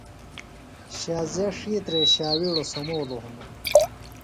شازیہ ڇِھیترے شاوِیڑوۡ سمولوۡ ہنوۡ۔